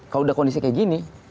kalau sudah kondisi seperti ini